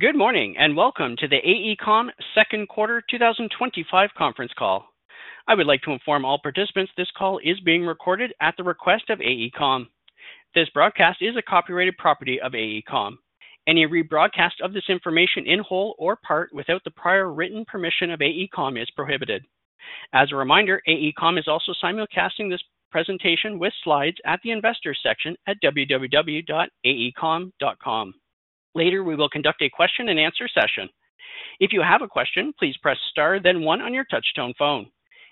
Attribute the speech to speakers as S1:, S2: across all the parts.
S1: Good morning and welcome to the AECOM Second Quarter 2025 Conference Call. I would like to inform all participants this call is being recorded at the request of AECOM. This broadcast is a copyrighted property of AECOM. Any rebroadcast of this information in whole or part without the prior written permission of AECOM is prohibited. As a reminder, AECOM is also simulcasting this presentation with slides at the investors' section at www.aecom.com. Later, we will conduct a question and answer session. If you have a question, please press star, then one on your touch-tone phone.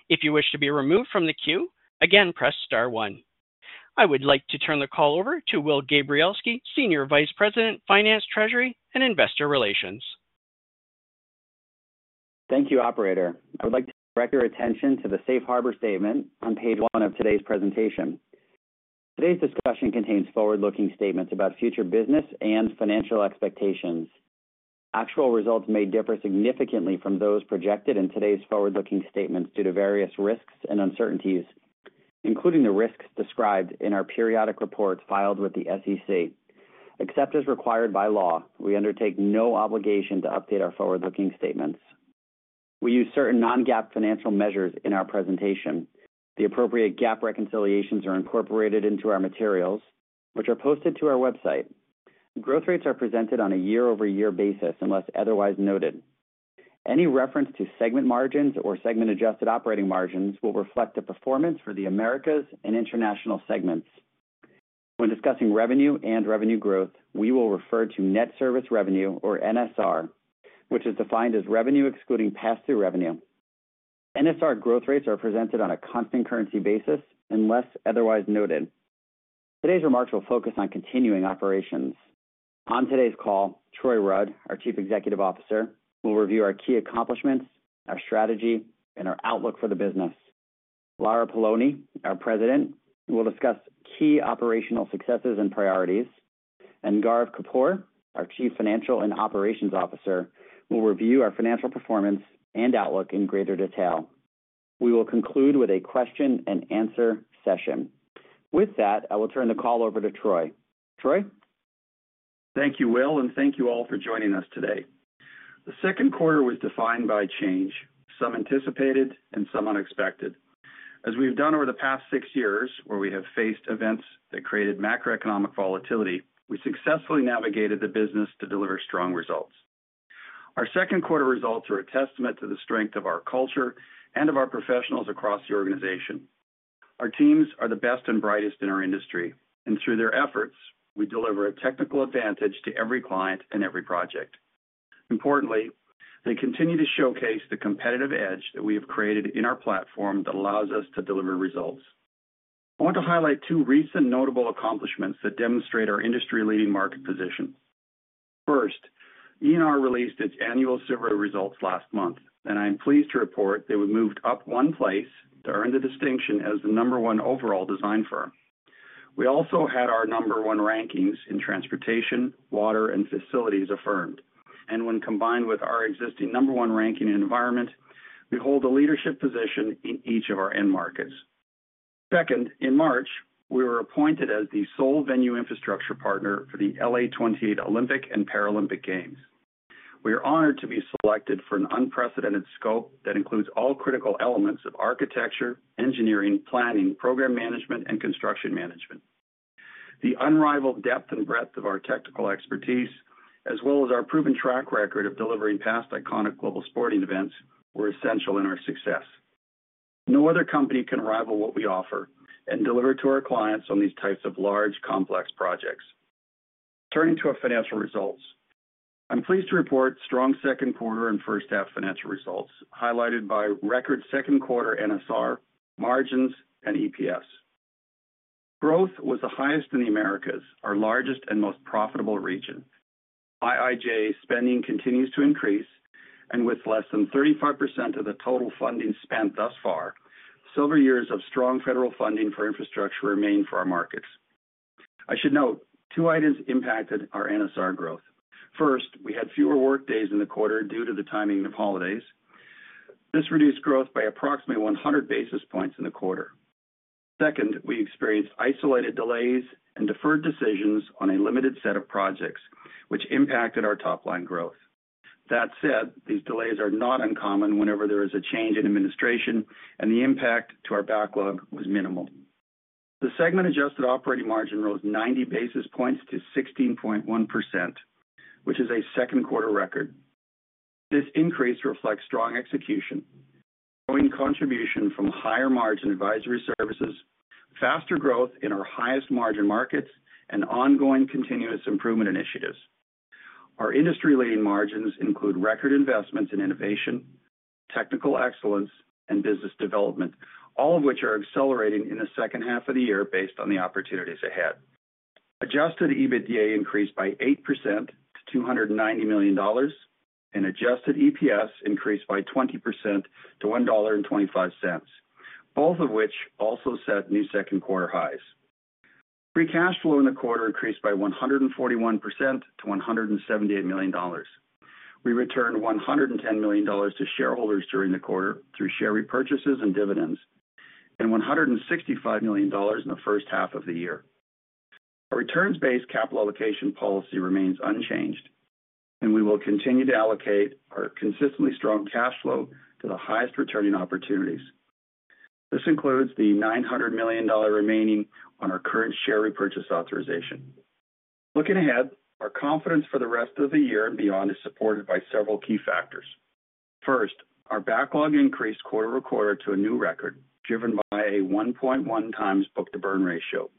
S1: If you wish to be removed from the queue, again, press star one. I would like to turn the call over to Will Gabrielski, Senior Vice President, Finance, Treasury, and Investor Relations.
S2: Thank you, Operator. I would like to direct your attention to the Safe Harbor Statement on page one of today's presentation. Today's discussion contains forward-looking statements about future business and financial expectations. Actual results may differ significantly from those projected in today's forward-looking statements due to various risks and uncertainties, including the risks described in our periodic reports filed with the SEC. Except as required by law, we undertake no obligation to update our forward-looking statements. We use certain non-GAAP financial measures in our presentation. The appropriate GAAP reconciliations are incorporated into our materials, which are posted to our website. Growth rates are presented on a year-over-year basis unless otherwise noted. Any reference to segment margins or segment-adjusted operating margins will reflect the performance for the Americas and International segments. When discussing revenue and revenue growth, we will refer to net service revenue, or NSR, which is defined as revenue excluding pass-through revenue. NSR growth rates are presented on a constant currency basis unless otherwise noted. Today's remarks will focus on continuing operations. On today's call, Troy Rudd, our Chief Executive Officer, will review our key accomplishments, our strategy, and our outlook for the business. Lara Poloni, our President, will discuss key operational successes and priorities, and Gaurav Kapoor, our Chief Financial and Operations Officer, will review our financial performance and outlook in greater detail. We will conclude with a question and answer session. With that, I will turn the call over to Troy. Troy?
S3: Thank you, Will, and thank you all for joining us today. The second quarter was defined by change, some anticipated and some unexpected. As we've done over the past six years, where we have faced events that created macroeconomic volatility, we successfully navigated the business to deliver strong results. Our second quarter results are a testament to the strength of our culture and of our professionals across the organization. Our teams are the best and brightest in our industry, and through their efforts, we deliver a technical advantage to every client and every project. Importantly, they continue to showcase the competitive edge that we have created in our platform that allows us to deliver results. I want to highlight two recent notable accomplishments that demonstrate our industry-leading market position. First, E&R released its annual survey results last month, and I'm pleased to report they were moved up one place to earn the distinction as the number one overall design firm. We also had our number one rankings in transportation, water, and facilities affirmed, and when combined with our existing number one ranking in environment, we hold a leadership position in each of our end markets. Second, in March, we were appointed as the sole venue infrastructure partner for the LA 2028 Olympic and Paralympic Games. We are honored to be selected for an unprecedented scope that includes all critical elements of architecture, engineering, planning, program management, and construction management. The unrivaled depth and breadth of our technical expertise, as well as our proven track record of delivering past iconic global sporting events, were essential in our success. No other company can rival what we offer and deliver to our clients on these types of large, complex projects. Turning to our financial results, I'm pleased to report strong second quarter and first half financial results highlighted by record second quarter NSR, margins, and EPS. Growth was the highest in the Americas, our largest and most profitable region. IIJA spending continues to increase, and with less than 35% of the total funding spent thus far, several years of strong federal funding for infrastructure remain for our markets. I should note two items impacted our NSR growth. First, we had fewer workdays in the quarter due to the timing of holidays. This reduced growth by approximately 100 basis points in the quarter. Second, we experienced isolated delays and deferred decisions on a limited set of projects, which impacted our top-line growth. That said, these delays are not uncommon whenever there is a change in administration, and the impact to our backlog was minimal. The segment-adjusted operating margin rose 90 basis points to 16.1%, which is a second quarter record. This increase reflects strong execution, growing contribution from higher margin advisory services, faster growth in our highest margin markets, and ongoing continuous improvement initiatives. Our industry-leading margins include record investments in innovation, technical excellence, and business development, all of which are accelerating in the second half of the year based on the opportunities ahead. Adjusted EBITDA increased by 8% to $290 million, and adjusted EPS increased by 20% to $1.25, both of which also set new second quarter highs. Free cash flow in the quarter increased by 141% to $178 million. We returned $110 million to shareholders during the quarter through share repurchases and dividends, and $165 million in the first half of the year. Our returns-based capital allocation policy remains unchanged, and we will continue to allocate our consistently strong cash flow to the highest returning opportunities. This includes the $900 million remaining on our current share repurchase authorization. Looking ahead, our confidence for the rest of the year and beyond is supported by several key factors. First, our backlog increased quarter-over-quarter to a new record, driven by a 1.1 times book-to-burn ratio.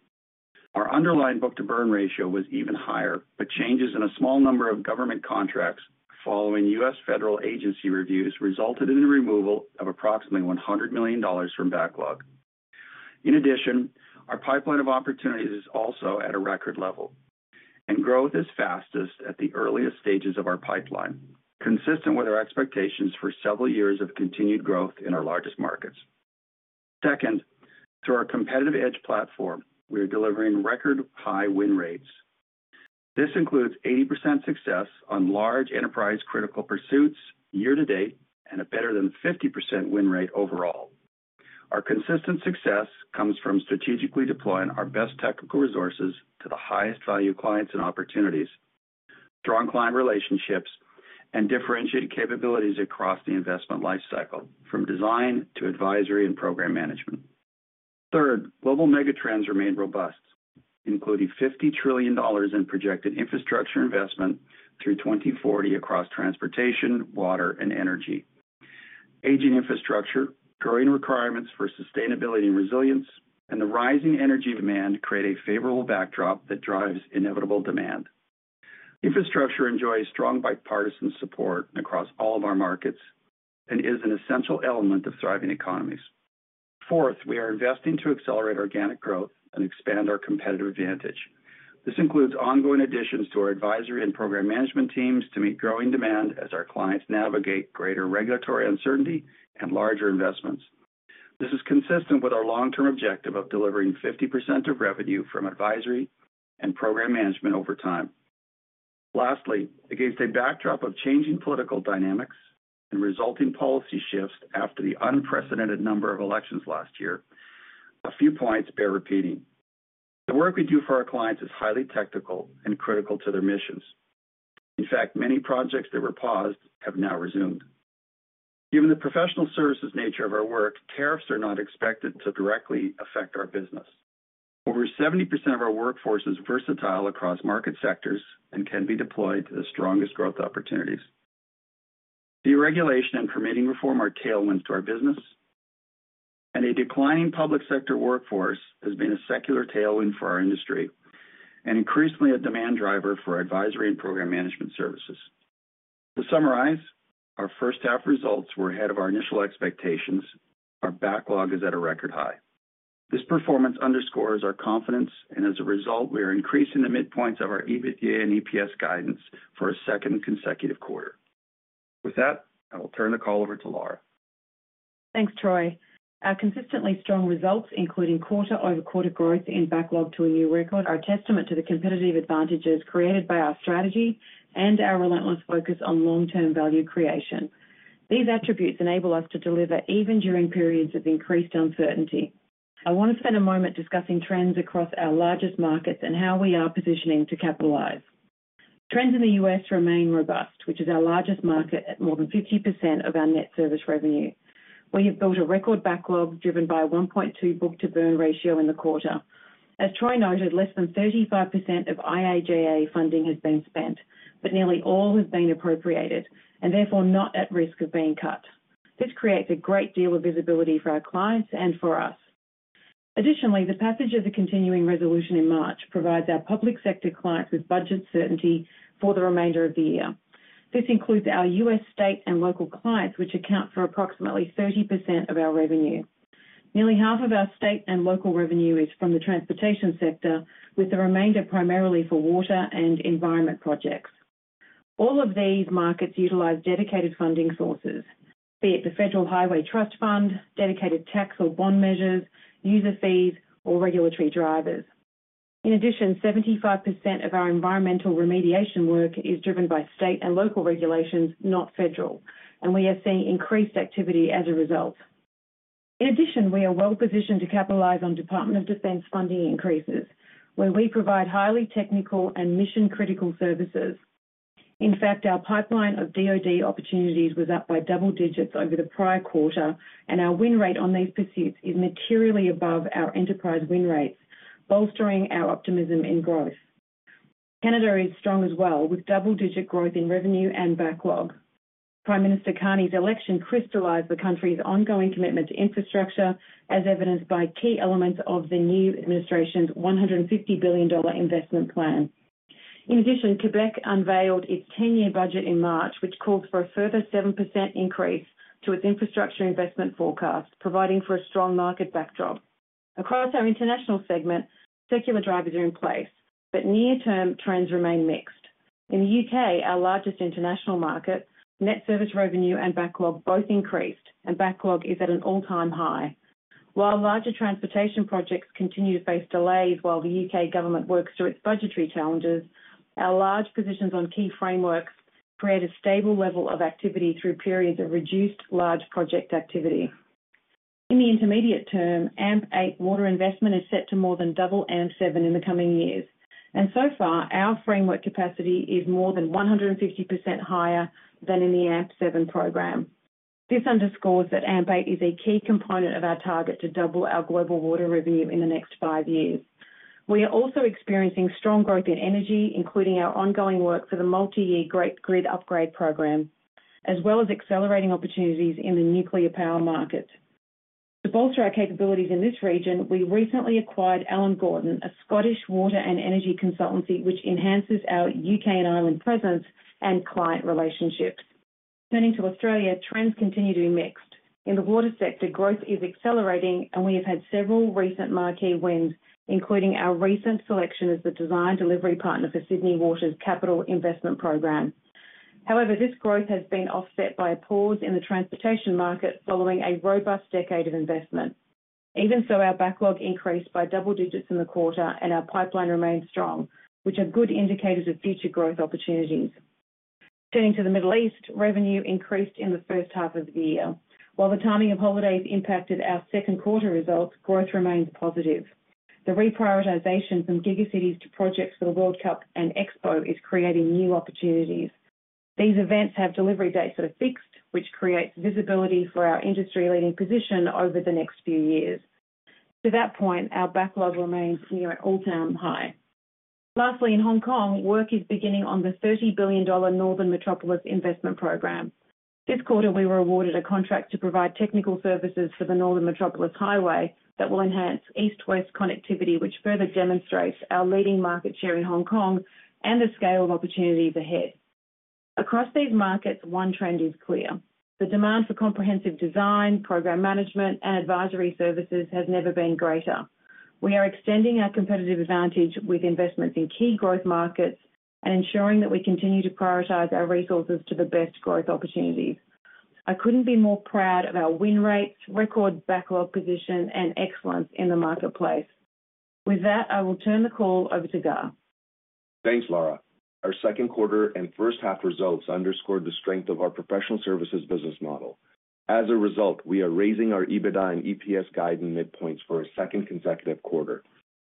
S3: Our underlying book-to-burn ratio was even higher, but changes in a small number of government contracts following U.S. federal agency reviews resulted in the removal of approximately $100 million from backlog. In addition, our pipeline of opportunities is also at a record level, and growth is fastest at the earliest stages of our pipeline, consistent with our expectations for several years of continued growth in our largest markets. Second, through our competitive edge platform, we are delivering record high win rates. This includes 80% success on large enterprise critical pursuits year-to-date and a better than 50% win rate overall. Our consistent success comes from strategically deploying our best technical resources to the highest value clients and opportunities, strong client relationships, and differentiated capabilities across the investment lifecycle, from design to advisory and program management. Third, global megatrends remain robust, including $50 trillion in projected infrastructure investment through 2040 across transportation, water, and energy. Aging infrastructure, growing requirements for sustainability and resilience, and the rising energy demand create a favorable backdrop that drives inevitable demand. Infrastructure enjoys strong bipartisan support across all of our markets and is an essential element of thriving economies. Fourth, we are investing to accelerate organic growth and expand our competitive advantage. This includes ongoing additions to our advisory and program management teams to meet growing demand as our clients navigate greater regulatory uncertainty and larger investments. This is consistent with our long-term objective of delivering 50% of revenue from advisory and program management over time. Lastly, against a backdrop of changing political dynamics and resulting policy shifts after the unprecedented number of elections last year, a few points bear repeating. The work we do for our clients is highly technical and critical to their missions. In fact, many projects that were paused have now resumed. Given the professional services nature of our work, tariffs are not expected to directly affect our business. Over 70% of our workforce is versatile across market sectors and can be deployed to the strongest growth opportunities. Deregulation and permitting reform are tailwinds to our business, and a declining public sector workforce has been a secular tailwind for our industry and increasingly a demand driver for advisory and program management services. To summarize, our first half results were ahead of our initial expectations. Our backlog is at a record high. This performance underscores our confidence, and as a result, we are increasing the midpoints of our EBITDA and EPS guidance for a second consecutive quarter. With that, I will turn the call over to Lara.
S4: Thanks, Troy. Our consistently strong results, including quarter-over-quarter growth in backlog to a new record, are a testament to the competitive advantages created by our strategy and our relentless focus on long-term value creation. These attributes enable us to deliver even during periods of increased uncertainty. I want to spend a moment discussing trends across our largest markets and how we are positioning to capitalize. Trends in the U.S. remain robust, which is our largest market at more than 50% of our net service revenue. We have built a record backlog driven by a 1.2 book-to-burn ratio in the quarter. As Troy noted, less than 35% of IIJA funding has been spent, but nearly all has been appropriated and therefore not at risk of being cut. This creates a great deal of visibility for our clients and for us. Additionally, the passage of the continuing resolution in March provides our public sector clients with budget certainty for the remainder of the year. This includes our U.S. state and local clients, which account for approximately 30% of our revenue. Nearly half of our state and local revenue is from the transportation sector, with the remainder primarily for water and environment projects. All of these markets utilize dedicated funding sources, be it the Federal Highway Trust Fund, dedicated tax or bond measures, user fees, or regulatory drivers. In addition, 75% of our environmental remediation work is driven by state and local regulations, not federal, and we are seeing increased activity as a result. In addition, we are well positioned to capitalize on Department of Defense funding increases, where we provide highly technical and mission-critical services. In fact, our pipeline of DOD opportunities was up by double digits over the prior quarter, and our win rate on these pursuits is materially above our enterprise win rates, bolstering our optimism in growth. Canada is strong as well, with double-digit growth in revenue and backlog. Prime Minister Carney's election crystallized the country's ongoing commitment to infrastructure, as evidenced by key elements of the new administration's $150 billion investment plan. In addition, Quebec unveiled its 10-year budget in March, which calls for a further 7% increase to its infrastructure investment forecast, providing for a strong market backdrop. Across our international segment, secular drivers are in place, but near term trends remain mixed. In the U.K., our largest international market, net service revenue and backlog both increased, and backlog is at all-time high. While larger transportation projects continue to face delays while the UK government works through its budgetary challenges, our large positions on key frameworks create a stable level of activity through periods of reduced large project activity. In the intermediate term, AMP8 water investment is set to more than double AMP7 in the coming years, and so far, our framework capacity is more than 150% higher than in the AMP7 program. This underscores that AMP8 is a key component of our target to double our global water revenue in the next five years. We are also experiencing strong growth in energy, including our ongoing work for the multi-year grid upgrade program, as well as accelerating opportunities in the nuclear power market. To bolster our capabilities in this region, we recently acquired Allan Gordon, a Scottish water and energy consultancy, which enhances our UK and Ireland presence and client relationships. Turning to Australia, trends continue to be mixed. In the water sector, growth is accelerating, and we have had several recent marquee wins, including our recent selection as the design delivery partner for Sydney Water's capital investment program. However, this growth has been offset by a pause in the transportation market following a robust decade of investment. Even so, our backlog increased by double digits in the quarter, and our pipeline remains strong, which are good indicators of future growth opportunities. Turning to the Middle East, revenue increased in the first half of the year. While the timing of holidays impacted our second quarter results, growth remains positive. The reprioritization from gigacities to projects for the World Cup and Expo is creating new opportunities. These events have delivery dates that are fixed, which creates visibility for our industry-leading position over the next few years. To that point, our backlog remains near an all-time high. Lastly, in Hong Kong, work is beginning on the $30 billion Northern Metropolis investment program. This quarter, we were awarded a contract to provide technical services for the Northern Metropolis highway that will enhance east-west connectivity, which further demonstrates our leading market share in Hong Kong and the scale of opportunities ahead. Across these markets, one trend is clear. The demand for comprehensive design, program management, and advisory services has never been greater. We are extending our competitive advantage with investments in key growth markets and ensuring that we continue to prioritize our resources to the best growth opportunities. I couldn't be more proud of our win rates, record backlog position, and excellence in the marketplace. With that, I will turn the call over to Gaurav.
S5: Thanks, Lara. Our second quarter and first half results underscored the strength of our professional services business model. As a result, we are raising our EBITDA and EPS guidance midpoints for a second consecutive quarter.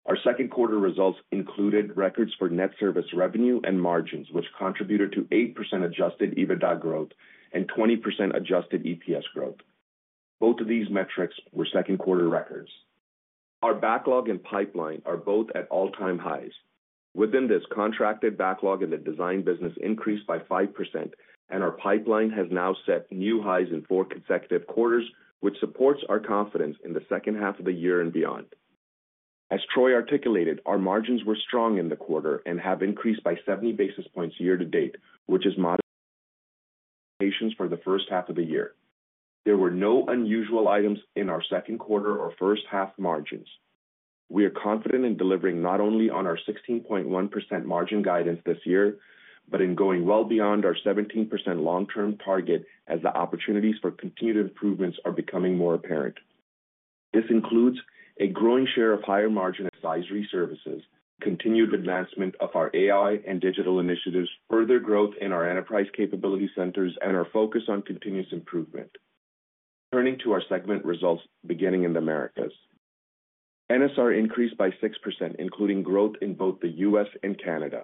S5: Our second quarter results included records for net service revenue and margins, which contributed to 8% adjusted EBITDA growth and 20% adjusted EPS growth. Both of these metrics were second quarter records. Our backlog and pipeline are both all-time highs. Within this, contracted backlog in the design business increased by 5%, and our pipeline has now set new highs in four consecutive quarters, which supports our confidence in the second half of the year and beyond. As Troy articulated, our margins were strong in the quarter and have increased by 70 basis points year-to-date, which is modest expectations for the first half of the year. There were no unusual items in our second quarter or first half margins. We are confident in delivering not only on our 16.1% margin guidance this year, but in going well beyond our 17% long-term target as the opportunities for continued improvements are becoming more apparent. This includes a growing share of higher margin advisory services, continued advancement of our AI and digital initiatives, further growth in our enterprise capability centers, and our focus on continuous improvement. Turning to our segment results beginning in the Americas. NSR increased by 6%, including growth in both the U.S. and Canada.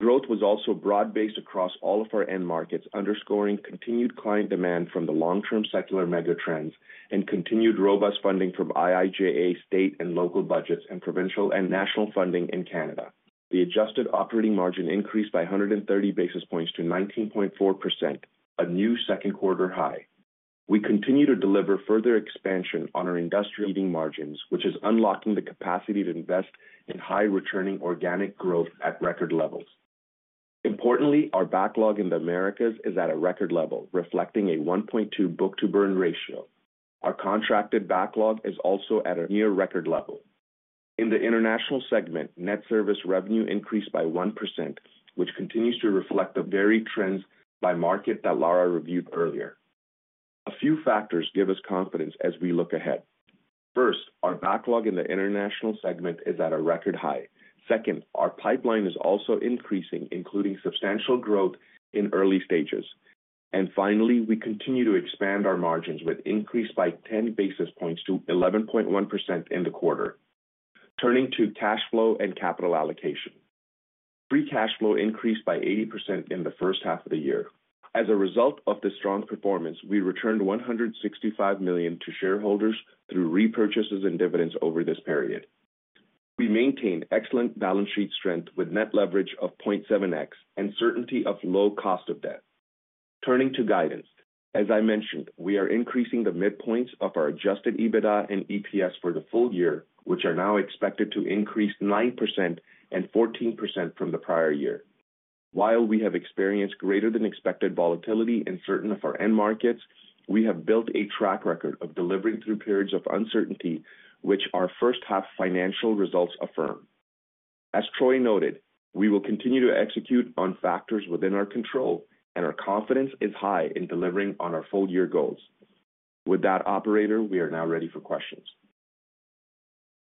S5: Growth was also broad-based across all of our end markets, underscoring continued client demand from the long-term secular megatrends and continued robust funding from IIJA state and local budgets and provincial and national funding in Canada. The adjusted operating margin increased by 130 basis points to 19.4%, a new second quarter high. We continue to deliver further expansion on our industry-leading margins, which is unlocking the capacity to invest in high-returning organic growth at record levels. Importantly, our backlog in the Americas is at a record level, reflecting a 1.2 book-to-burn ratio. Our contracted backlog is also at a near record level. In the international segment, net service revenue increased by 1%, which continues to reflect the varied trends by market that Lara reviewed earlier. A few factors give us confidence as we look ahead. First, our backlog in the international segment is at a record high. Second, our pipeline is also increasing, including substantial growth in early stages. Finally, we continue to expand our margins, which increased by 10 basis points to 11.1% in the quarter. Turning to cash flow and capital allocation. Free cash flow increased by 80% in the first half of the year. As a result of this strong performance, we returned $165 million to shareholders through repurchases and dividends over this period. We maintain excellent balance sheet strength with net leverage of 0.7x and certainty of low cost of debt. Turning to guidance, as I mentioned, we are increasing the midpoints of our adjusted EBITDA and EPS for the full year, which are now expected to increase 9% and 14% from the prior year. While we have experienced greater than expected volatility in certain of our end markets, we have built a track record of delivering through periods of uncertainty, which our first half financial results affirm. As Troy noted, we will continue to execute on factors within our control, and our confidence is high in delivering on our full-year goals. With that, Operator, we are now ready for questions.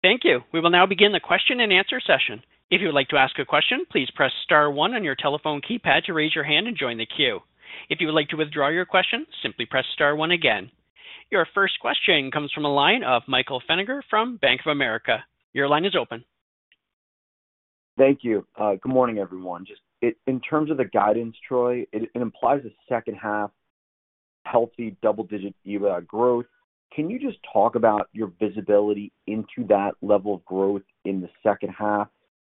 S1: Thank you. We will now begin the question and answer session. If you would like to ask a question, please press star one on your telephone keypad to raise your hand and join the queue. If you would like to withdraw your question, simply press star one again. Your first question comes from a line of Michael Feniger from Bank of America. Your line is open.
S6: Thank you. Good morning, everyone. Just in terms of the guidance, Troy, it implies a second half healthy double-digit EBITDA growth. Can you just talk about your visibility into that level of growth in the second half?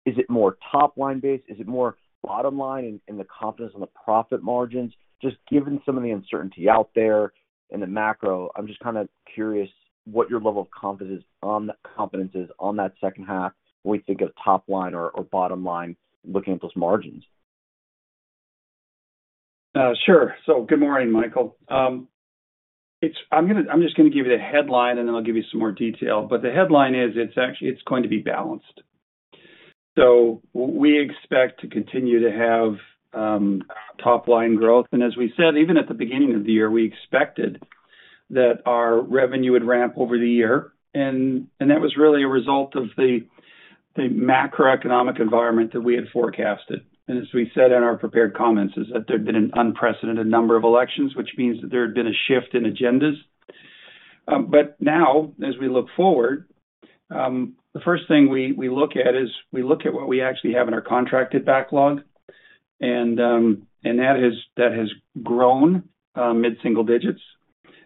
S6: Is it more top-line-based? Is it more bottom-line in the confidence on the profit margins? Just given some of the uncertainty out there in the macro, I'm just kind of curious what your level of confidence is on that second half when we think of top-line or bottom-line looking at those margins?
S3: Sure. Good morning, Michael. I'm just going to give you the headline, and then I'll give you some more detail. The headline is it's going to be balanced. We expect to continue to have top-line growth. As we said, even at the beginning of the year, we expected that our revenue would ramp over the year. That was really a result of the macroeconomic environment that we had forecasted. As we said in our prepared comments, there had been an unprecedented number of elections, which means that there had been a shift in agendas. Now, as we look forward, the first thing we look at is what we actually have in our contracted backlog. That has grown mid-single digits.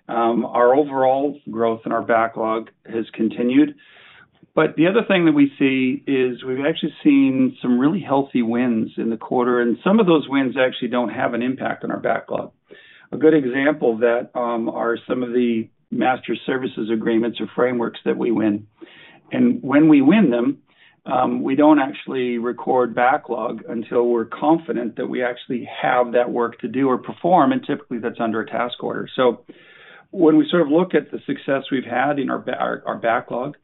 S3: Our overall growth in our backlog has continued. The other thing that we see is we've actually seen some really healthy wins in the quarter. Some of those wins actually don't have an impact on our backlog. A good example of that are some of the master services agreements or frameworks that we win. When we win them, we don't actually record backlog until we're confident that we actually have that work to do or perform. Typically, that's under a task order. When we sort of look at the success we've had in our backlog,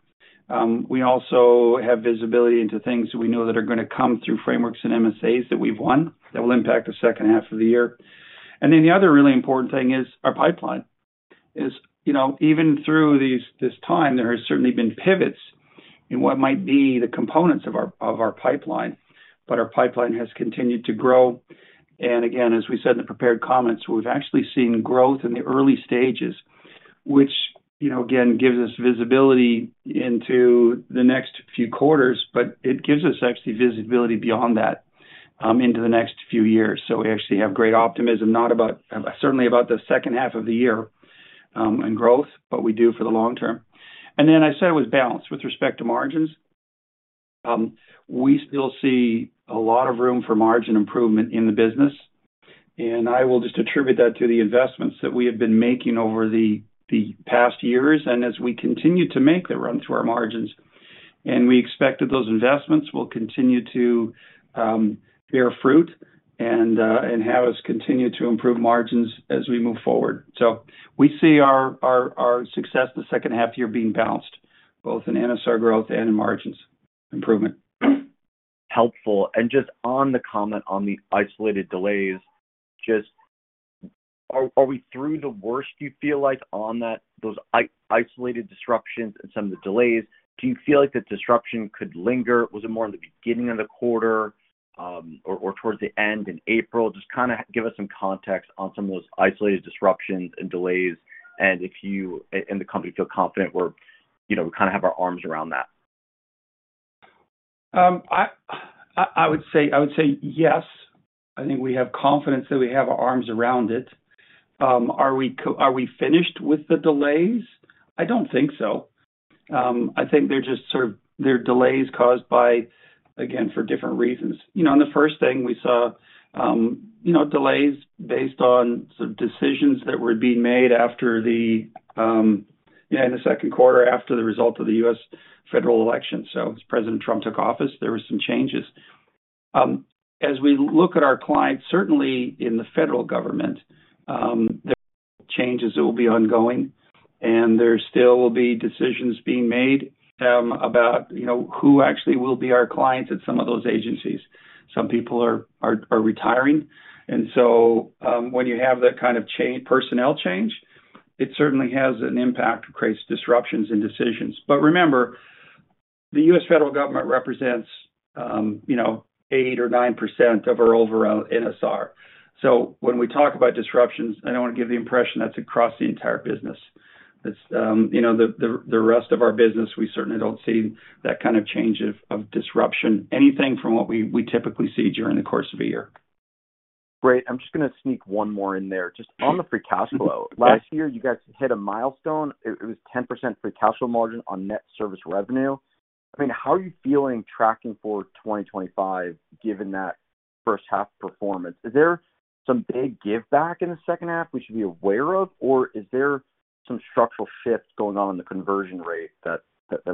S3: we also have visibility into things that we know that are going to come through frameworks and MSAs that we've won that will impact the second half of the year. The other really important thing is our pipeline. Even through this time, there have certainly been pivots in what might be the components of our pipeline. Our pipeline has continued to grow. As we said in the prepared comments, we've actually seen growth in the early stages, which gives us visibility into the next few quarters. It gives us visibility beyond that into the next few years. We actually have great optimism, not certainly about the second half of the year and growth, but we do for the long term. I said it was balanced with respect to margins. We still see a lot of room for margin improvement in the business. I will just attribute that to the investments that we have been making over the past years and as we continue to make that run through our margins. We expect that those investments will continue to bear fruit and have us continue to improve margins as we move forward. We see our success the second half year being balanced, both in NSR growth and in margins improvement.
S6: Helpful. Just on the comment on the isolated delays, just are we through the worst, you feel like, on those isolated disruptions and some of the delays? Do you feel like the disruption could linger? Was it more in the beginning of the quarter or towards the end in April? Just kind of give us some context on some of those isolated disruptions and delays and if you and the company feel confident we kind of have our arms around that?
S3: I would say yes. I think we have confidence that we have our arms around it. Are we finished with the delays? I do not think so. I think they are just sort of delays caused by, again, for different reasons. The first thing we saw delays based on sort of decisions that were being made after the in the second quarter after the result of the U.S. federal election. As President Trump took office, there were some changes. As we look at our clients, certainly in the federal government, there are changes that will be ongoing. There still will be decisions being made about who actually will be our clients at some of those agencies. Some people are retiring. When you have that kind of personnel change, it certainly has an impact to create disruptions in decisions. Remember, the U.S. Federal government represents 8% or 9% of our overall NSR. When we talk about disruptions, I do not want to give the impression that is across the entire business. The rest of our business, we certainly do not see that kind of change or disruption, anything from what we typically see during the course of a year.
S6: Great. I'm just going to sneak one more in there. Just on the free cash flow, last year, you guys hit a milestone. It was 10% free cash flow margin on net service revenue. I mean, how are you feeling tracking for 2025 given that first half performance? Is there some big give back in the second half we should be aware of? Or is there some structural shift going on in the conversion rate that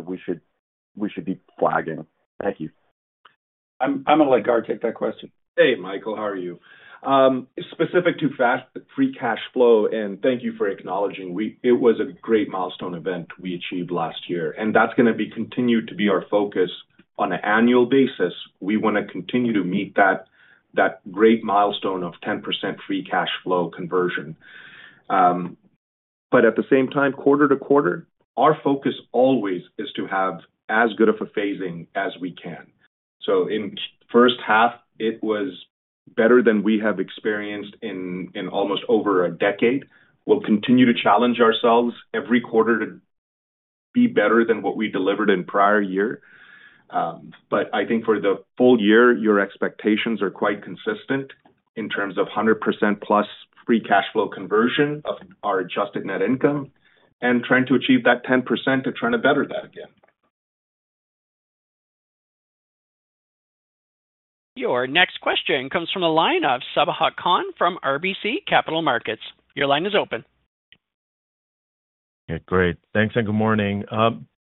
S6: we should be flagging? Thank you.
S3: I'm going to let Gaur take that question.
S5: Hey, Michael. How are you? Specific to free cash flow, and thank you for acknowledging, it was a great milestone event we achieved last year. That's going to continue to be our focus on an annual basis. We want to continue to meet that great milestone of 10% free cash flow conversion. At the same time, quarter-to-quarter, our focus always is to have as good of a phasing as we can. In the first half, it was better than we have experienced in almost over a decade. We'll continue to challenge ourselves every quarter to be better than what we delivered in the prior year. I think for the full year, your expectations are quite consistent in terms of 100% plus free cash flow conversion of our adjusted net income and trying to achieve that 10% to try to better that again.
S1: Your next question comes from the line of Sabahhat Khan from RBC Capital Markets. Your line is open.
S7: Yeah. Great. Thanks and good morning.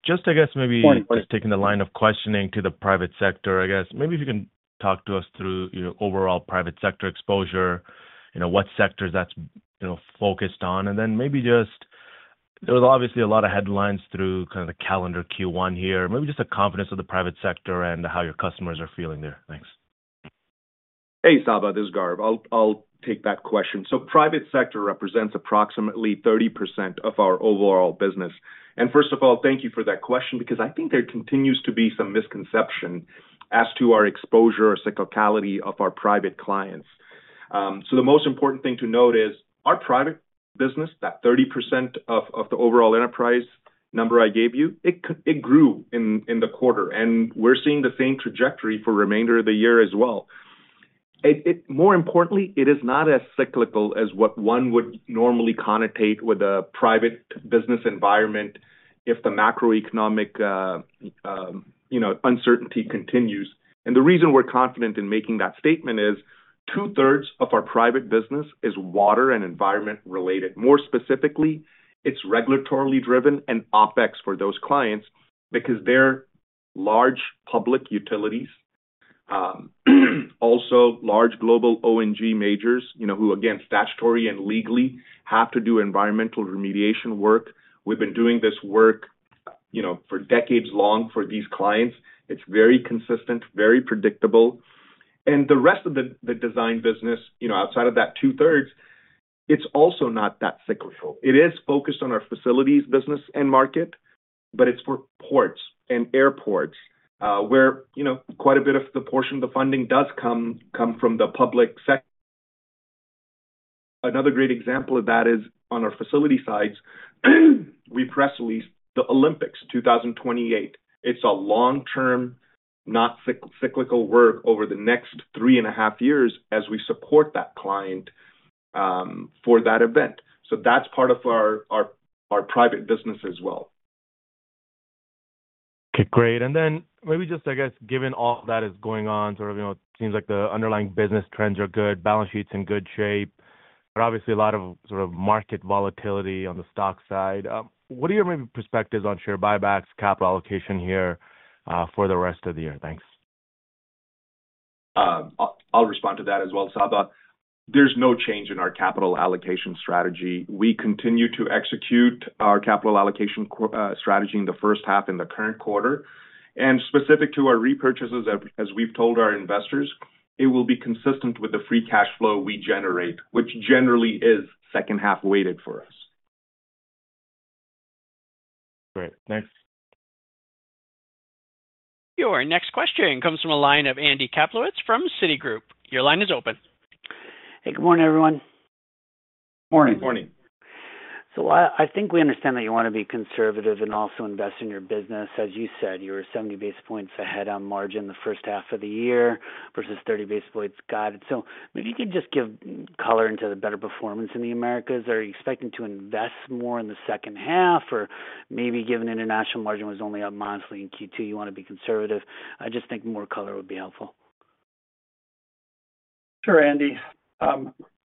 S7: Just I guess maybe just taking the line of questioning to the private sector, I guess. Maybe if you can talk to us through your overall private sector exposure, what sectors that's focused on. Maybe just there was obviously a lot of headlines through kind of the calendar Q1 here. Maybe just the confidence of the private sector and how your customers are feeling there? Thanks.
S5: Hey, Sabah. This is Gaur. I'll take that question. Private sector represents approximately 30% of our overall business. First of all, thank you for that question because I think there continues to be some misconception as to our exposure or cyclicality of our private clients. The most important thing to note is our private business, that 30% of the overall enterprise number I gave you, it grew in the quarter. We're seeing the same trajectory for the remainder of the year as well. More importantly, it is not as cyclical as what one would normally connotate with a private business environment if the macroeconomic uncertainty continues. The reason we're confident in making that statement is two-thirds of our private business is water and environment-related. More specifically, it's regulatory-driven and OpEx for those clients because they're large public utilities, also large global O&G majors who, again, statutory and legally have to do environmental remediation work. We've been doing this work for decades long for these clients. It's very consistent, very predictable. The rest of the design business, outside of that two-thirds, it's also not that cyclical. It is focused on our facilities business and market, but it's for ports and airports where quite a bit of the portion of the funding does come from the public sector. Another great example of that is on our facility sides, we press release the Olympics 2028. It's a long-term, not cyclical work over the next three and a half years as we support that client for that event. That's part of our private business as well.
S7: Okay. Great. Maybe just, I guess, given all that is going on, sort of it seems like the underlying business trends are good, balance sheet is in good shape. There is obviously a lot of sort of market volatility on the stock side. What are your maybe perspectives on share buybacks, capital allocation here for the rest of the year? Thanks.
S5: I'll respond to that as well, Sabah. There's no change in our capital allocation strategy. We continue to execute our capital allocation strategy in the first half in the current quarter. Specific to our repurchases, as we've told our investors, it will be consistent with the free cash flow we generate, which generally is second half weighted for us.
S7: Great. Thanks.
S1: Your next question comes from a line of Andy Kaplowitz from Citigroup. Your line is open.
S8: Hey, good morning, everyone.
S3: Morning.
S5: Morning.
S8: I think we understand that you want to be conservative and also invest in your business. As you said, you were 70 basis points ahead on margin the first half of the year versus 30 basis points guided. Maybe you could just give color into the better performance in the Americas? Are you expecting to invest more in the second half? Maybe given international margin was only up monthly in Q2, you want to be conservative? I just think more color would be helpful.
S3: Sure, Andy.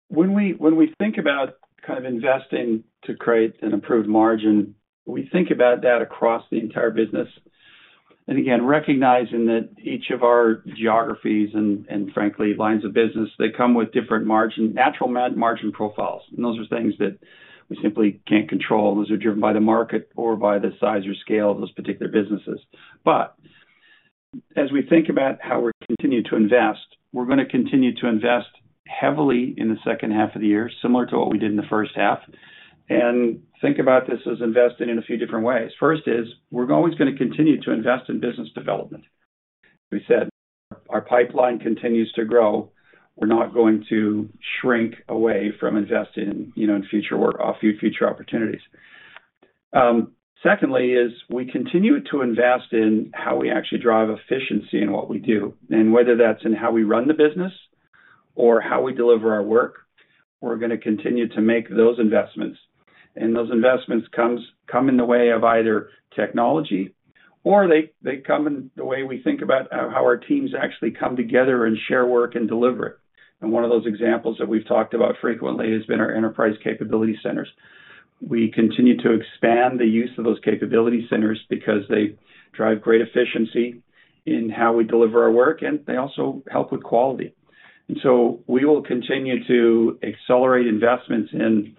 S3: When we think about kind of investing to create an improved margin, we think about that across the entire business. Again, recognizing that each of our geographies and, frankly, lines of business, they come with different natural margin profiles. Those are things that we simply can't control. Those are driven by the market or by the size or scale of those particular businesses. As we think about how we're continuing to invest, we're going to continue to invest heavily in the second half of the year, similar to what we did in the first half. Think about this as investing in a few different ways. First is we're always going to continue to invest in business development. As we said, our pipeline continues to grow. We're not going to shrink away from investing in future work, future opportunities. Secondly, we continue to invest in how we actually drive efficiency in what we do. Whether that's in how we run the business or how we deliver our work, we're going to continue to make those investments. Those investments come in the way of either technology or they come in the way we think about how our teams actually come together and share work and deliver it. One of those examples that we've talked about frequently has been our enterprise capability centers. We continue to expand the use of those capability centers because they drive great efficiency in how we deliver our work, and they also help with quality. We will continue to accelerate investments in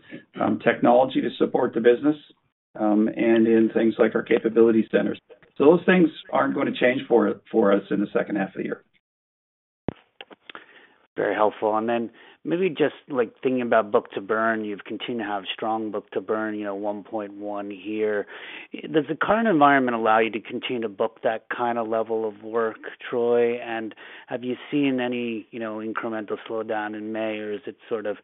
S3: technology to support the business and in things like our capability centers. Those things aren't going to change for us in the second half of the year.
S8: Very helpful. Maybe just thinking about book-to-burn, you've continued to have strong book-to-burn, 1.1 year. Does the current environment allow you to continue to book that kind of level of work, Troy? Have you seen any incremental slowdown in May, or is it sort of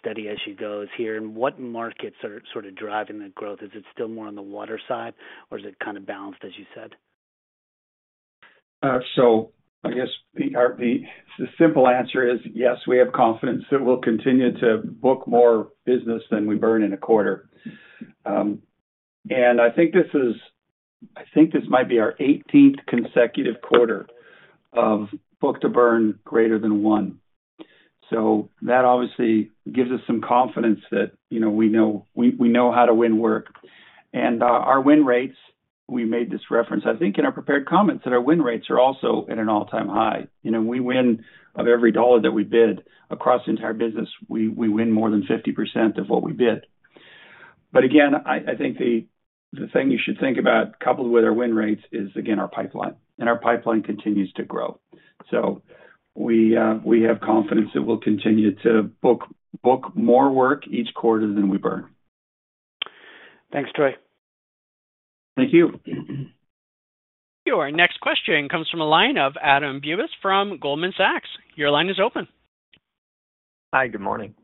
S8: steady as she goes here? What markets are sort of driving the growth? Is it still more on the water side, or is it kind of balanced, as you said?
S3: I guess the simple answer is yes, we have confidence that we'll continue to book more business than we burn in a quarter. I think this might be our 18th consecutive quarter of book-to-burn greater than one. That obviously gives us some confidence that we know how to win work. Our win rates, we made this reference in our prepared comments, are also at an all-time high. We win of every dollar that we bid across the entire business. We win more than 50% of what we bid. Again, I think the thing you should think about coupled with our win rates is our pipeline. Our pipeline continues to grow. We have confidence that we'll continue to book more work each quarter than we burn.
S8: Thanks, Troy.
S3: Thank you.
S1: Your next question comes from a line of Adam Bubes from Goldman Sachs. Your line is open.
S9: Hi, good morning.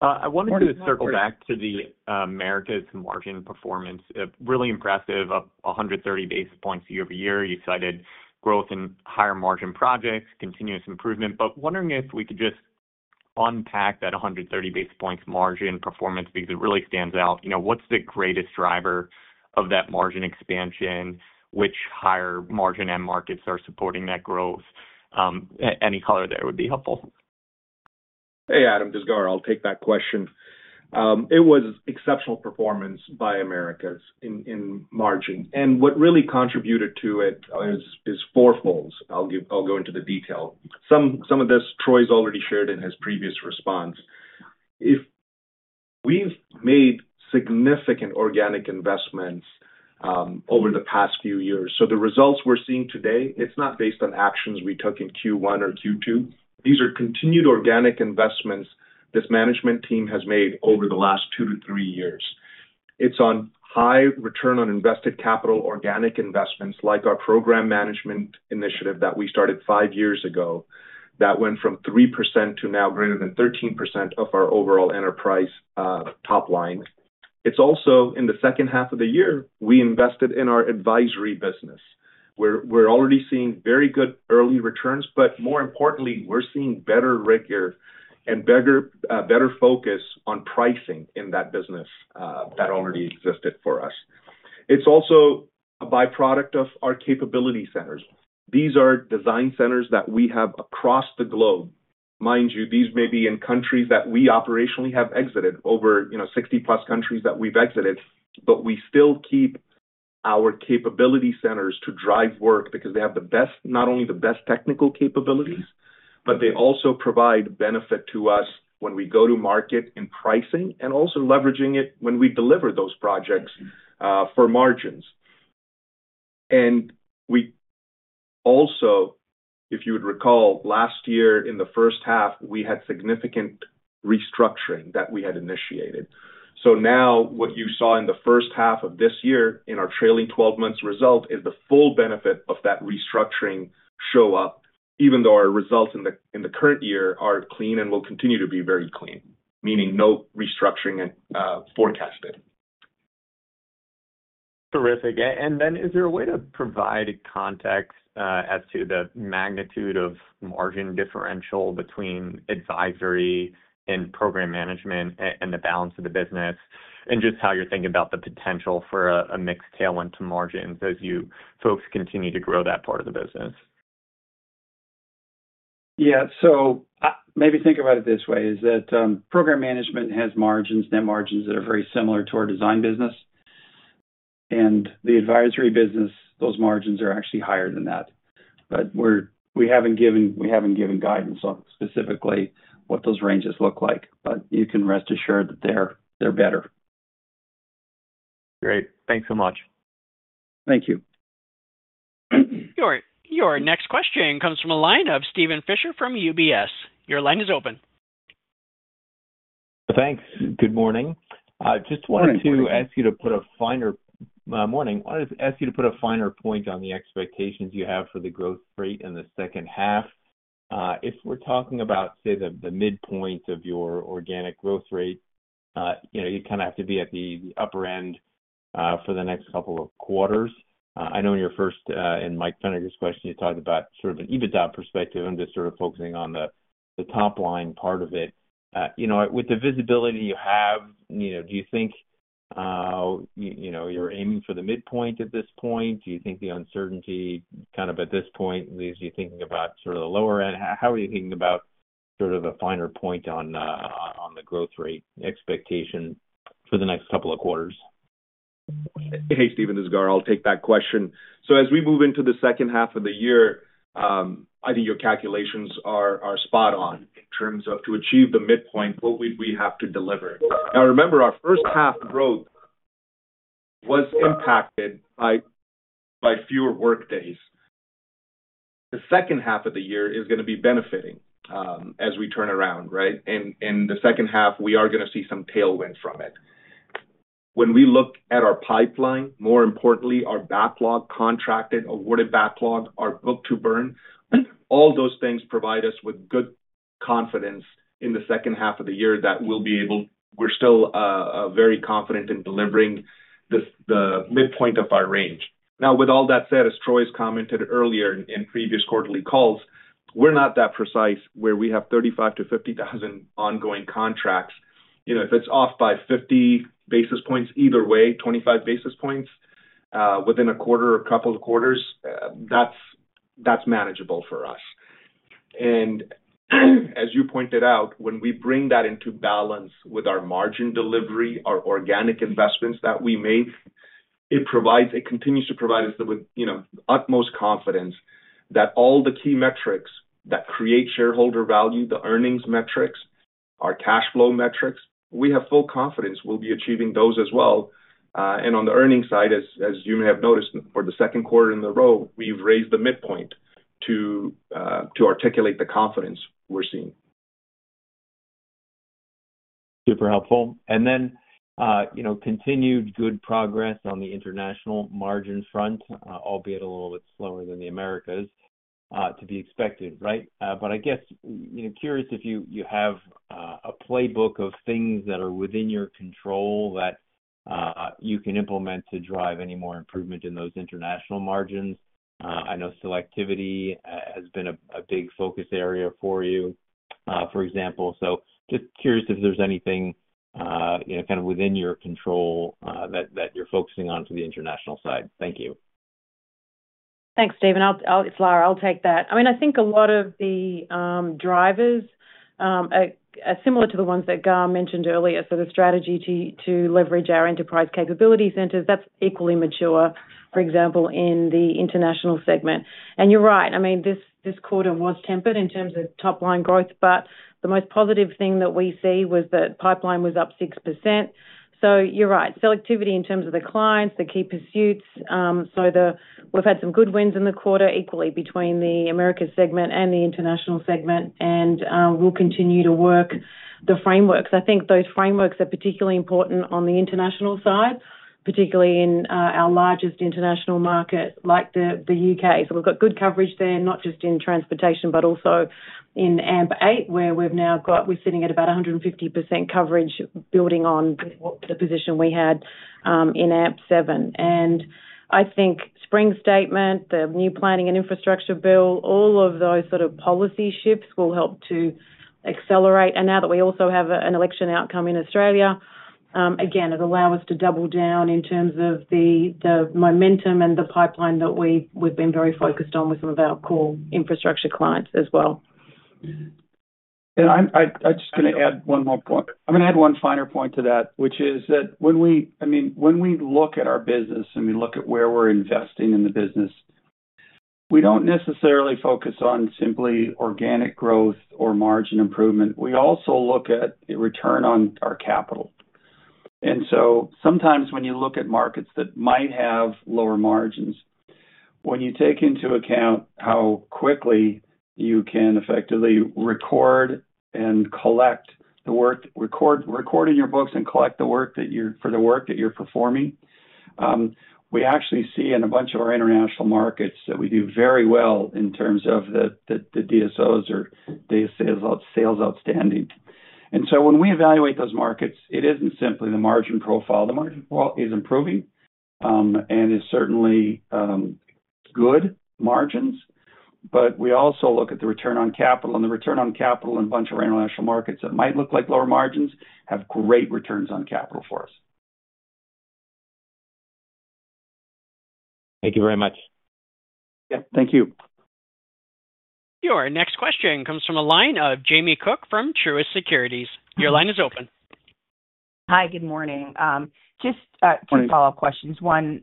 S9: I wanted to circle back to the Americas margin performance. Really impressive, 130 basis points year-over-year. You cited growth in higher margin projects, continuous improvement. I was wondering if we could just unpack that 130 basis points margin performance because it really stands out. What's the greatest driver of that margin expansion? Which higher margin end markets are supporting that growth? Any color there would be helpful.
S3: Hey, Adam, just Gaur, I'll take that question. It was exceptional performance by Americas in margin. What really contributed to it is four folds. I'll go into the detail. Some of this Troy's already shared in his previous response. We've made significant organic investments over the past few years. The results we're seeing today, it's not based on actions we took in Q1 or Q2. These are continued organic investments this management team has made over the last two to three years. It's on high return on invested capital organic investments like our program management initiative that we started five years ago that went from 3% to now greater than 13% of our overall enterprise top line. It's also in the second half of the year, we invested in our advisory business. We're already seeing very good early returns, but more importantly, we're seeing better rigor and better focus on pricing in that business that already existed for us. It's also a byproduct of our capability centers. These are design centers that we have across the globe. Mind you, these may be in countries that we operationally have exited, over 60-plus countries that we've exited, but we still keep our capability centers to drive work because they have not only the best technical capabilities, but they also provide benefit to us when we go to market in pricing and also leveraging it when we deliver those projects for margins. Also, if you would recall, last year in the first half, we had significant restructuring that we had initiated. Now what you saw in the first half of this year in our trailing 12 months result is the full benefit of that restructuring show up, even though our results in the current year are clean and will continue to be very clean, meaning no restructuring forecasted.
S9: Terrific. Is there a way to provide context as to the magnitude of margin differential between advisory and program management and the balance of the business and just how you're thinking about the potential for a mixed tailwind to margins as you folks continue to grow that part of the business?
S3: Yeah. Maybe think about it this way: program management has margins, net margins that are very similar to our design business. The advisory business, those margins are actually higher than that. We haven't given guidance on specifically what those ranges look like. You can rest assured that they're better.
S9: Great. Thanks so much.
S3: Thank you.
S1: Your next question comes from a line of Steven Fisher from UBS. Your line is open.
S10: Thanks. Good morning. Just wanted to ask you to put a finer point on the expectations you have for the growth rate in the second half. If we're talking about, say, the midpoint of your organic growth rate, you kind of have to be at the upper end for the next couple of quarters. I know in your first and Michael Feniger's question, you talked about sort of an EBITDA perspective and just sort of focusing on the top line part of it. With the visibility you have, do you think you're aiming for the midpoint at this point? Do you think the uncertainty kind of at this point leaves you thinking about sort of the lower end? How are you thinking about sort of a finer point on the growth rate expectation for the next couple of quarters?
S5: Hey, Stephen, this is Gaur. I'll take that question. As we move into the second half of the year, I think your calculations are spot on in terms of to achieve the midpoint, what would we have to deliver? Now, remember, our first half growth was impacted by fewer workdays. The second half of the year is going to be benefiting as we turn around, right? The second half, we are going to see some tailwind from it. When we look at our pipeline, more importantly, our backlog, contracted, awarded backlog, our book-to-burn, all those things provide us with good confidence in the second half of the year that we'll be able—we're still very confident in delivering the midpoint of our range. Now, with all that said, as Troy's commented earlier in previous quarterly calls, we're not that precise where we have 35,000 to 50,000 ongoing contracts. If it's off by 50 basis points either way, 25 basis points within a quarter or a couple of quarters, that's manageable for us. As you pointed out, when we bring that into balance with our margin delivery, our organic investments that we make, it continues to provide us with utmost confidence that all the key metrics that create shareholder value, the earnings metrics, our cash flow metrics, we have full confidence we'll be achieving those as well. On the earnings side, as you may have noticed, for the second quarter in a row, we've raised the midpoint to articulate the confidence we're seeing.
S10: Super helpful. Continued good progress on the international margin front, albeit a little bit slower than the Americas, to be expected, right? I guess curious if you have a playbook of things that are within your control that you can implement to drive any more improvement in those international margins. I know selectivity has been a big focus area for you, for example. Just curious if there's anything kind of within your control that you're focusing on for the international side. Thank you.
S4: Thanks, Stephen. It's Lara. I'll take that. I mean, I think a lot of the drivers are similar to the ones that Gaur mentioned earlier. The strategy to leverage our enterprise capability centers, that's equally mature, for example, in the international segment. You're right. I mean, this quarter was tempered in terms of top-line growth, but the most positive thing that we see was that pipeline was up 6%. You're right. Selectivity in terms of the clients, the key pursuits. We've had some good wins in the quarter equally between the Americas segment and the international segment, and we'll continue to work the frameworks. I think those frameworks are particularly important on the international side, particularly in our largest international market like the UK. We have good coverage there, not just in transportation, but also in AMP8, where we are now sitting at about 150% coverage, building on the position we had in AMP7. I think the spring statement, the new planning and infrastructure bill, all of those sort of policy shifts will help to accelerate. Now that we also have an election outcome in Australia, it will allow us to double down in terms of the momentum and the pipeline that we have been very focused on with some of our core infrastructure clients as well.
S3: Yeah. I'm just going to add one more point. I'm going to add one finer point to that, which is that when we—I mean, when we look at our business and we look at where we're investing in the business, we don't necessarily focus on simply organic growth or margin improvement. We also look at the return on our capital. Sometimes when you look at markets that might have lower margins, when you take into account how quickly you can effectively record and collect the work—recording your books and collect the work for the work that you're performing—we actually see in a bunch of our international markets that we do very well in terms of the DSOs or days sales outstanding. When we evaluate those markets, it isn't simply the margin profile. The margin profile is improving and is certainly good margins. We also look at the return on capital. The return on capital in a bunch of our international markets that might look like lower margins have great returns on capital for us.
S10: Thank you very much.
S3: Yeah. Thank you.
S1: Your next question comes from a line of Jamie Cook from Truist Securities. Your line is open.
S11: Hi, good morning. Just two follow-up questions. One,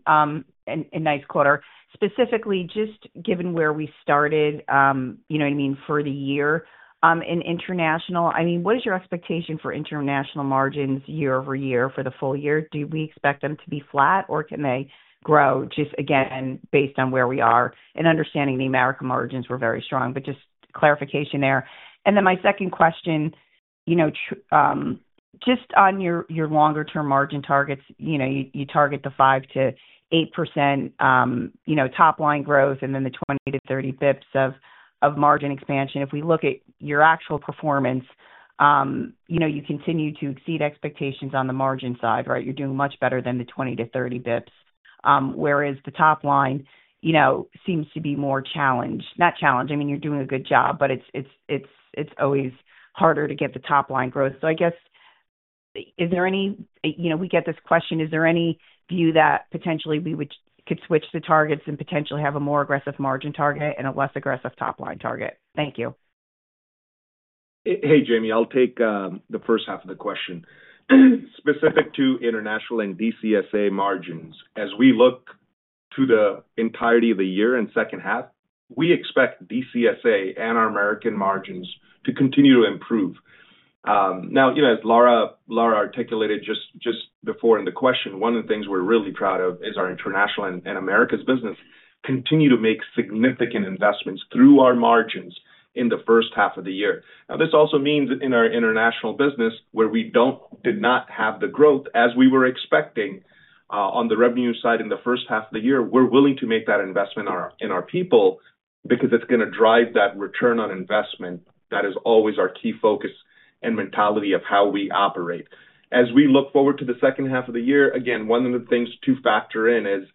S11: nice quarter. Specifically, just given where we started, you know what I mean, for the year in international, I mean, what is your expectation for international margins year-over-year for the full year? Do we expect them to be flat, or can they grow just, again, based on where we are? Understanding the American margins were very strong, just clarification there. My second question, just on your longer term margin targets, you target the 5-8% top line growth and then the 20-30 basis points of margin expansion. If we look at your actual performance, you continue to exceed expectations on the margin side, right? You're doing much better than the 20-30 basis points, whereas the top line seems to be more challenged. Not challenged. I mean, you're doing a good job, but it's always harder to get the top line growth. I guess, is there any—we get this question—is there any view that potentially we could switch the targets and potentially have a more aggressive margin target and a less aggressive top line target? Thank you.
S5: Hey, Jamie. I'll take the first half of the question. Specific to international and DCSA margins, as we look to the entirety of the year and second half, we expect DCSA and our Americas margins to continue to improve. Now, as Lara articulated just before in the question, one of the things we're really proud of is our international and Americas business continue to make significant investments through our margins in the first half of the year. Now, this also means that in our international business, where we did not have the growth as we were expecting on the revenue side in the first half of the year, we're willing to make that investment in our people because it's going to drive that return on investment. That is always our key focus and mentality of how we operate. As we look forward to the second half of the year, again, one of the things to factor in is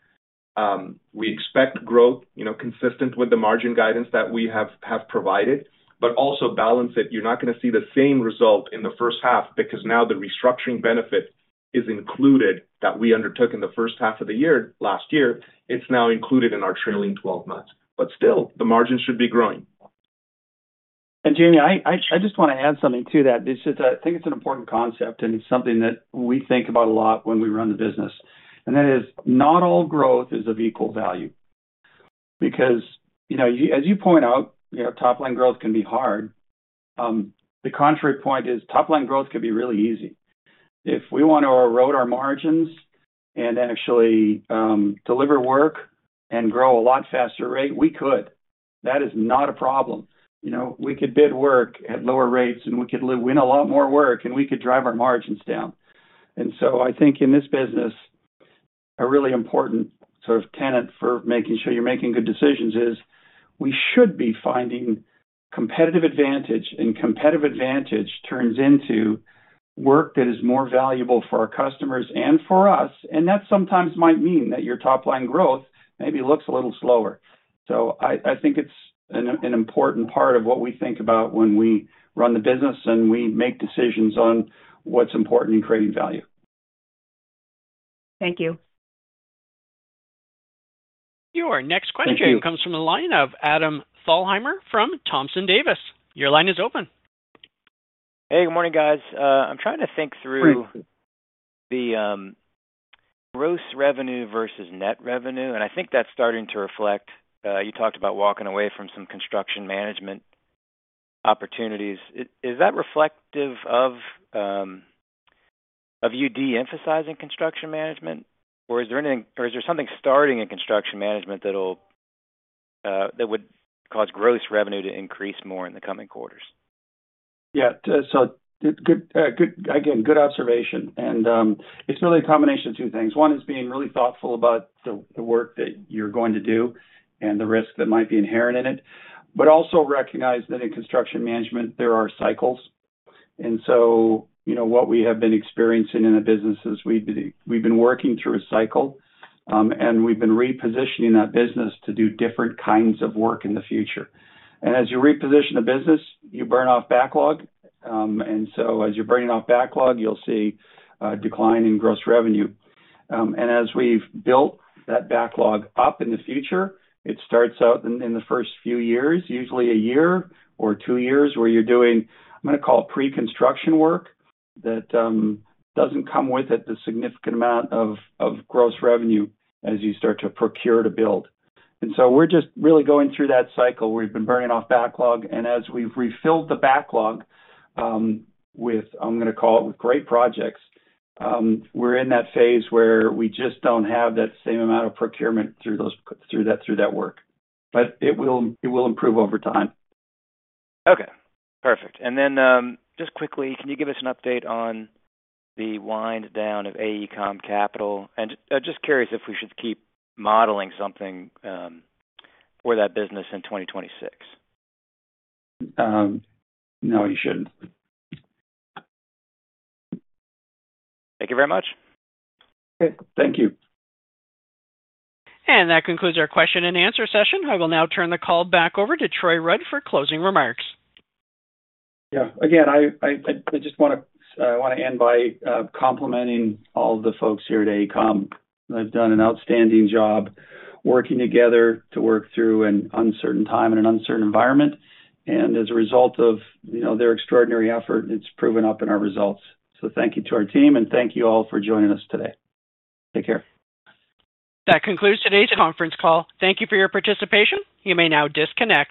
S5: we expect growth consistent with the margin guidance that we have provided, but also balance it. You're not going to see the same result in the first half because now the restructuring benefit is included that we undertook in the first half of the year last year. It's now included in our trailing 12 months. Still, the margins should be growing.
S3: Jamie, I just want to add something to that. I think it's an important concept, and it's something that we think about a lot when we run the business. That is not all growth is of equal value. Because as you point out, top line growth can be hard. The contrary point is top line growth can be really easy. If we want to erode our margins and actually deliver work and grow at a lot faster rate, we could. That is not a problem. We could bid work at lower rates, and we could win a lot more work, and we could drive our margins down. I think in this business, a really important sort of tenet for making sure you're making good decisions is we should be finding competitive advantage, and competitive advantage turns into work that is more valuable for our customers and for us. That sometimes might mean that your top line growth maybe looks a little slower. I think it's an important part of what we think about when we run the business and we make decisions on what's important in creating value.
S11: Thank you.
S1: Your next question comes from a line of Adam Thalhimer from Thompson Davis. Your line is open.
S12: Hey, good morning, guys. I'm trying to think through the gross revenue versus net revenue. I think that's starting to reflect—you talked about walking away from some construction management opportunities. Is that reflective of you de-emphasizing construction management? Or is there something starting in construction management that would cause gross revenue to increase more in the coming quarters?
S3: Yeah. Good observation. It is really a combination of two things. One is being really thoughtful about the work that you are going to do and the risk that might be inherent in it, but also recognize that in construction management, there are cycles. What we have been experiencing in the business is we have been working through a cycle, and we have been repositioning that business to do different kinds of work in the future. As you reposition the business, you burn off backlog. As you are burning off backlog, you will see a decline in gross revenue. As we've built that backlog up in the future, it starts out in the first few years, usually a year or two years, where you're doing, I'm going to call it, pre-construction work that doesn't come with it the significant amount of gross revenue as you start to procure to build. We're just really going through that cycle where we've been burning off backlog. As we've refilled the backlog with, I'm going to call it, great projects, we're in that phase where we just don't have that same amount of procurement through that work. It will improve over time.
S12: Okay. Perfect. Just quickly, can you give us an update on the wind down of AECOM Capital? Just curious if we should keep modeling something for that business in 2026?
S3: No, you shouldn't.
S12: Thank you very much.
S3: Okay. Thank you.
S1: That concludes our question and answer session. I will now turn the call back over to Troy Rudd for closing remarks.
S3: Yeah. Again, I just want to end by complimenting all of the folks here at AECOM. They've done an outstanding job working together to work through an uncertain time and an uncertain environment. As a result of their extraordinary effort, it's proven up in our results. Thank you to our team, and thank you all for joining us today. Take care.
S1: That concludes today's conference call. Thank you for your participation. You may now disconnect.